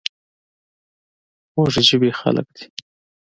خوږ ژبې خلک دي .